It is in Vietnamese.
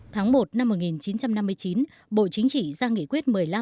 tháng một năm một nghìn chín trăm năm mươi chín bộ chính trị ra nghị quyết một mươi năm